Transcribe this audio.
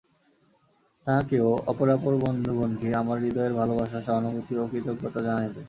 তাঁহাকে ও অপরাপর বন্ধুগণকে আমার হৃদয়ের ভালবাসা, সহানুভূতি ও কৃতজ্ঞতা জানাইবে।